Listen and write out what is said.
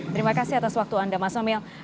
terima kasih atas waktu anda mas somel